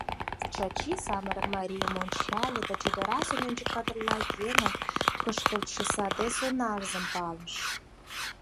Чачи, самырык марийым ончале да чодырасе Нӧнчык-патырла еҥым кышкылтше саде сонарзым палыш.